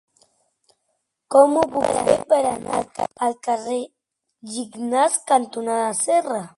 Com ho puc fer per anar al carrer Gignàs cantonada Serra?